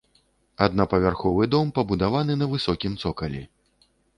Аднапавярховы дом пабудаваны на высокім цокалі.